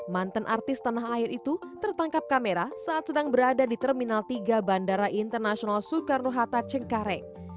mantan artis tanah air itu tertangkap kamera saat sedang berada di terminal tiga bandara internasional soekarno hatta cengkareng